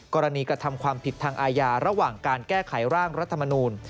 กระทำความผิดทางอาญาระหว่างการแก้ไขร่างรัฐมนูล